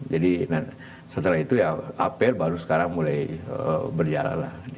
jadi setelah itu ya apl baru sekarang mulai berjalan lah